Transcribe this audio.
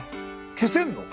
消せんの？